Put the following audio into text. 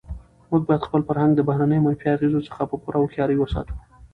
موږ باید خپل فرهنګ د بهرنیو منفي اغېزو څخه په پوره هوښیارۍ وساتو.